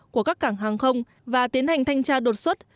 của các cảng hàng không và tiến hành thanh tra đột xuất